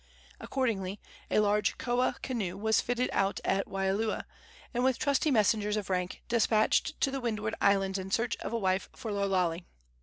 Accordingly, a large koa canoe was fitted out at Waialua, and with trusty messengers of rank despatched to the windward islands in search of a wife for Lo Lale.